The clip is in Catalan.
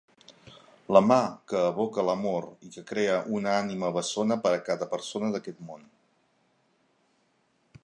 la mà que evoca l'amor i que crea una ànima bessona per a cada persona d'aquest món.